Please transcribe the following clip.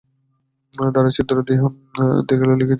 দ্বারের ছিদ্র দিয়া দেখিল লিখিতেছে।